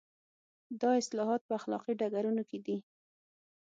دا اصلاحات په اخلاقي ډګرونو کې دي.